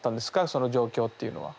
その状況っていうのは。